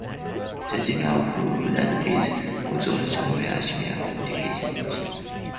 The genre of 'lad lit' also has somewhat similar connotations.